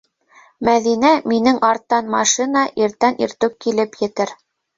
- Мәҙинә, минең арттан машина иртән иртүк килеп етер.